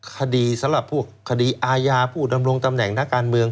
คดีสำหรับพวกคดีอาญาผู้ดำรงตำแหน่งนักการเมือง